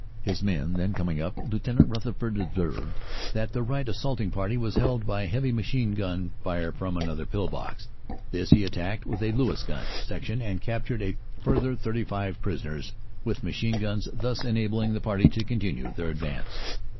His men then coming up, Lieut. Rutherford observed that the right assaulting party was held up by heavy machine gun fire from another pill box. This he attacked with a Lewis gun section and captured a further 35 prisoners with machine guns, thus enabling the party to continue their advance.